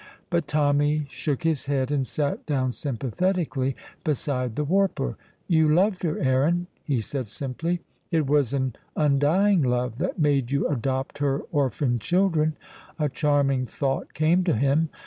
But Tommy shook his head, and sat down sympathetically beside the warper. "You loved her, Aaron," he said simply. "It was an undying love that made you adopt her orphan children." A charming thought came to him.